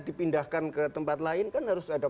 dipindahkan ke tempat lain kan harus ada